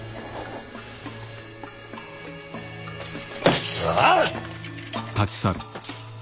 くそ！